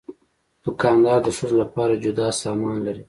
دوکاندار د ښځو لپاره جدا سامان لري.